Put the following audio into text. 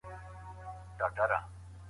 سترګو سېپارو ته زړونه